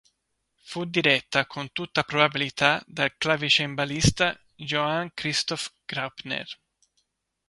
Fu diretta con tutta probabilità dal clavicembalista Johann Christoph Graupner.